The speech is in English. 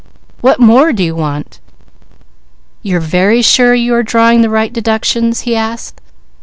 What more do you want?" "You're very sure you are drawing the right deductions?" he asked.